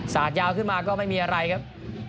ยาวขึ้นมาก็ไม่มีอะไรครับ